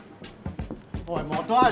おい本橋。